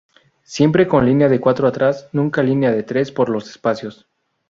Siempre con línea de cuatro atrás, nunca línea de tres, por los espacios.